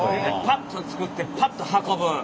パッと作ってパッと運ぶ。